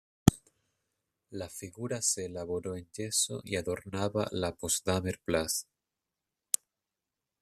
La figura se elaboró en yeso y adornaba la Potsdamer Platz.